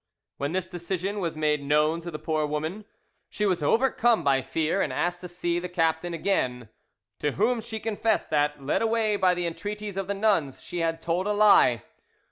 When this decision was made known to the poor woman, she was overcome by fear, and asked to see the, captain again, to whom she confessed that, led away by the entreaties of the nuns, she had told a lie.